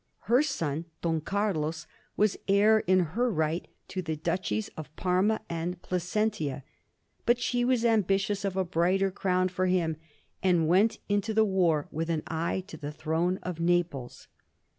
Her son, Don Carlos, was heir in her right to the Duchies of Parma and Placentia, but she was ambitious of a brighter crown for him, and went into the war with an eye to the throne of Naples.